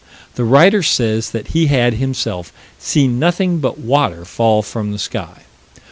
The writer says that he had, himself, seen nothing but water fall from the sky.